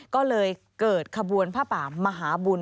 ก็เลยเกิดขบวนผ้าป่ามหาบุญ